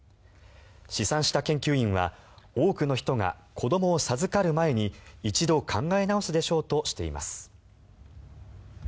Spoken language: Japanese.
試算した研究員は多くの人が子どもを授かる前に一度考え直すでしょうとしています。